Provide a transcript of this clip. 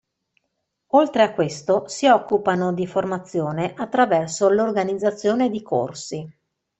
Oltre a questo, si occupano di formazione attraverso l'organizzazione di corsi.